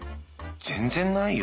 全然ないよ。